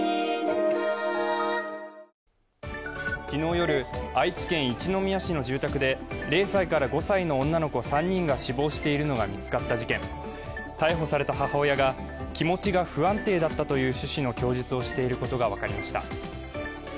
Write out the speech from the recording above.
昨日夜、愛知県一宮市の住宅で０歳から５歳の女の子３人が死亡しているのが見つかった事件逮捕された母親が気持ちが不安定だったという趣旨の供述をしていることが分かりました。